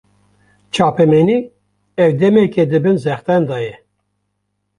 Çapemenî, ev demeke di bin zextan de ye